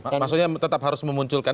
maksudnya tetap harus memunculkan